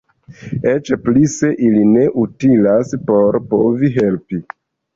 Eĉ pli se ili ne utilas por povi helpi.